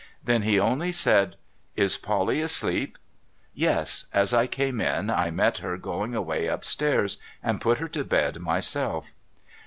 Then he only said :' Is Polly asleep ?'' Yes. As I came in, I met her going away up stairs, and put her to bed myself.'